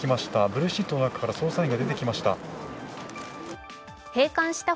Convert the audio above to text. ブルーシートの中から捜査員が出てきました。